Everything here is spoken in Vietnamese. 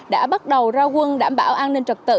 đã bắt đầu ra quân đảm bảo an ninh trật tự